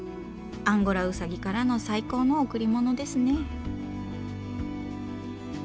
アンゴラウサギからの最高の贈り物ですね。